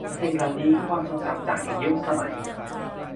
สิ่งเหล่านี้คือความทรงจำจากอีกยุคสมัย